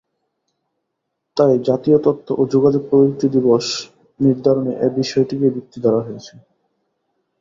তাই জাতীয় তথ্য ও যোগাযোগপ্রযুক্তি দিবস নির্ধারণে এ বিষয়টিকেই ভিত্তি ধরা হয়েছে।